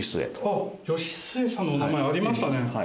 あっ義季さんのお名前ありましたね。